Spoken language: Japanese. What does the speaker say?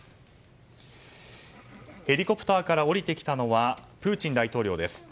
ヘリコプターから降りてきたのはプーチン大統領です。